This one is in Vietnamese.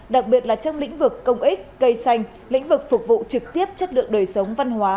đặc biệt là trong lĩnh vực công ích cây xanh lĩnh vực phục vụ trực tiếp chất lượng đời sống văn hóa